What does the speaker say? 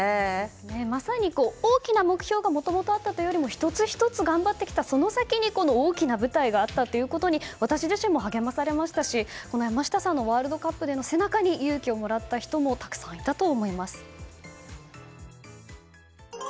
まさに、大きな目標がもともとあったというよりも１つ１つ頑張ってきたその先にこの大きな舞台があったということに私自身も励まされましたし山下さんのワールドカップでの背中に勇気をもらった人もたくさんいたと思います。